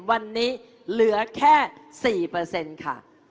วันนี้เหลือแค่๔ค่ะ